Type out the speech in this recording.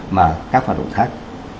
mà các hoạt động khác